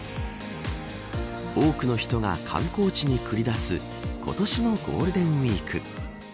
多くの人が観光地に繰り出す今年のゴールデンウイーク。